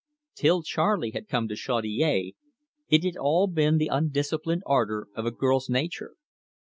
Till Charley had come to Chaudiere, it had all been the undisciplined ardour of a girl's nature.